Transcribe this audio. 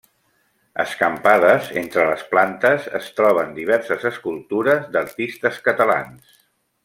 Escampades entre les plantes es troben diverses escultures d'artistes catalans.